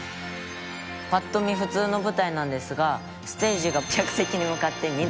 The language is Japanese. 「パッと見普通の舞台なんですがステージが客席に向かって２度傾斜しています」